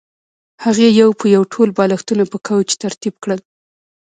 هغې یو په یو ټول بالښتونه په کوچ ترتیب کړل